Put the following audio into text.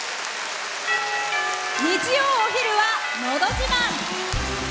日曜お昼は「のど自慢」。